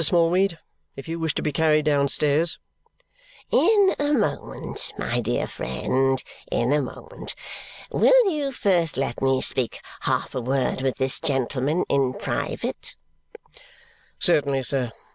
Smallweed, if you wish to be carried downstairs " "In a moment, my dear friend, in a moment. Will you first let me speak half a word with this gentleman in private?" "Certainly, sir.